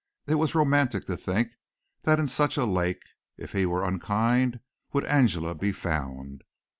It was romantic to think that in such a lake, if he were unkind, would Angela be found.